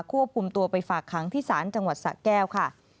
ควบคุมตัวไปฝากขังที่ศาลจังหวัดสะแก้วค่ะ